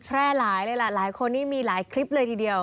หลายเลยล่ะหลายคนนี่มีหลายคลิปเลยทีเดียว